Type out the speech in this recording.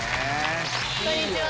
こんにちは！